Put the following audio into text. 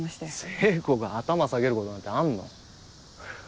聖子が頭下げることなんてあんの？